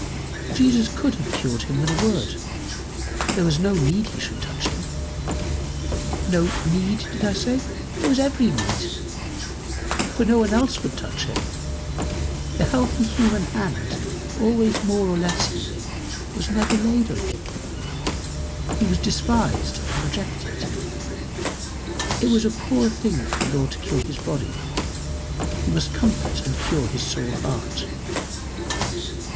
] Jesus could have cured him with a word. There was no need he should touch him. No need did I say? There was every need. For no one else would touch him. The healthy human hand, always more or less healing, was never laid on him; he was despised and rejected. It was a poor thing for the Lord to cure his body; he must comfort and cure his sore heart.